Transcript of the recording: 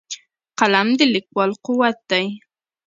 قلم د لیکوال قوت دی